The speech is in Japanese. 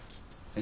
え？